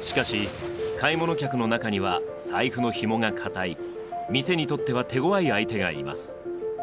しかし買い物客の中には財布のひもが堅い店にとっては手ごわい相手がいます。